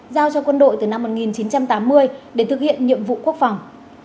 giao cho quân đội từ năm một nghìn chín trăm tám mươi để thực hiện nhiệm vụ quốc phòng